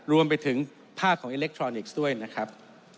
รวมไปถึงผ้าของอิเล็กทรอนิกส์ด้วยนะครับ